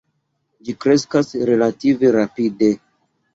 Ĝi kreskas relative rapide.